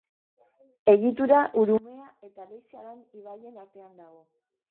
Egitura Urumea eta Leitzaran ibaien artean dago.